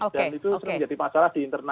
dan itu sering jadi masalah di internal